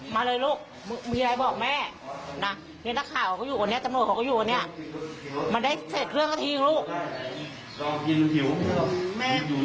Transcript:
มึงอยากให้ผู้ห่างติดคุกหรอมึงอยากให้ผู้ห่างติดคุกหรอ